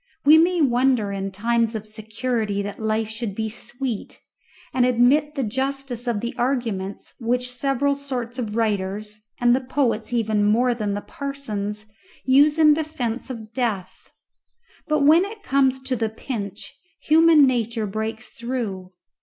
We may wonder in times of security that life should be sweet, and admit the justice of the arguments which several sorts of writers, and the poets even more than the parsons, use in defence of death. But when it comes to the pinch human nature breaks through.